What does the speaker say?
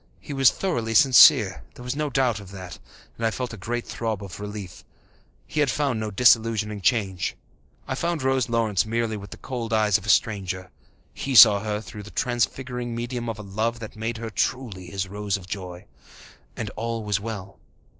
He was thoroughly sincere, there was no doubt of that, and I felt a great throb of relief. He had found no disillusioning change. I saw Rose Lawrence merely with the cold eyes of the stranger. He saw her through the transfiguring medium of a love that made her truly his Rose of joy. And all was well.